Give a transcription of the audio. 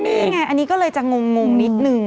นี่ไงอันนี้ก็เลยจะงงนิดนึง